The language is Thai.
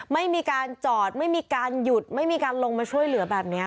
ไม่มีการจอดไม่มีการหยุดไม่มีการลงมาช่วยเหลือแบบนี้